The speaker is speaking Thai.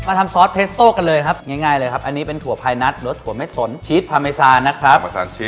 ทำซอสเพสโต้กันเลยครับง่ายเลยครับอันนี้เป็นถั่วพายนัทรสถั่วเม็ดสนชีสพาเมซานนะครับ